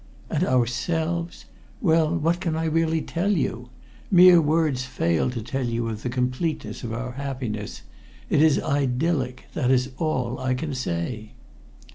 And ourselves! Well, what can I really tell you? Mere words fail to tell you of the completeness of our happiness. It is idyllic that is all I can say.